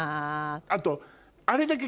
あと。